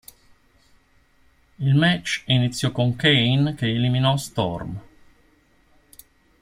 Il match iniziò con Kane che eliminò Storm.